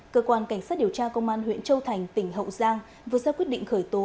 cơ quan cảnh sát điều tra công an huyện châu thành tỉnh hậu giang vừa ra quyết định khởi tố